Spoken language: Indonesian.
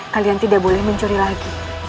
kalian tidak boleh mencuri lagi